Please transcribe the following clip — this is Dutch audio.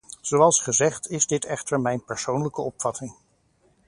Zoals gezegd is dit echter mijn persoonlijke opvatting.